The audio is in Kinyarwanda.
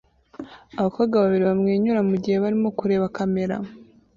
Abakobwa babiri bamwenyura mugihe barimo kureba kamera